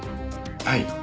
はい。